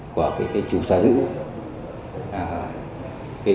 của cái chủ sở hữu